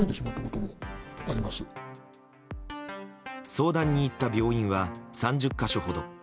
相談に行った病院は３０か所ほど。